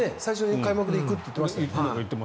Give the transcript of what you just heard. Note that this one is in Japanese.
開幕に行くって言ってましたね。